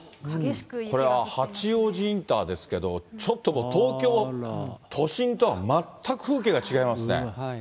これは八王子インターですけれども、ちょっと東京都心とは全く風景が違いますね。